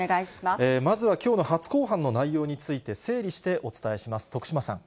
まずは、きょうの初公判の内容について、整理してお伝えします。